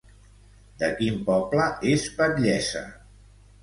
De quin poble és batllessa?